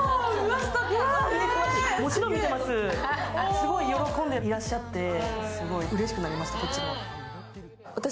すごい喜んでいらっしゃって、こっちもうれしくなりました。